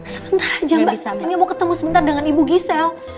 sebentar aja mbak sampai ini mau ketemu sebentar dengan ibu gisel